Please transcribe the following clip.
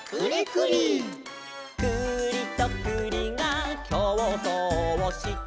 「くりとくりがきょうそうをして」